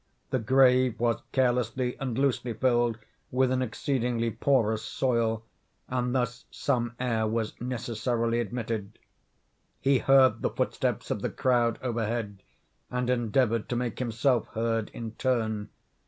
The grave was carelessly and loosely filled with an exceedingly porous soil; and thus some air was necessarily admitted. He heard the footsteps of the crowd overhead, and endeavored to make himself heard in turn.